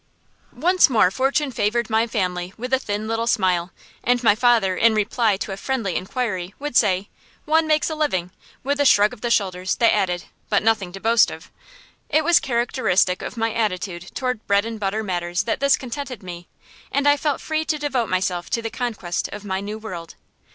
Once more Fortune favored my family with a thin little smile, and my father, in reply to a friendly inquiry, would say, "One makes a living," with a shrug of the shoulders that added "but nothing to boast of." It was characteristic of my attitude toward bread and butter matters that this contented me, and I felt free to devote myself to the conquest of my new world.